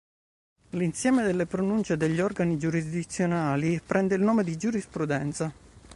L'insieme delle pronunce degli organi giurisdizionali prende il nome di "giurisprudenza".